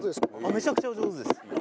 めちゃくちゃ上手です。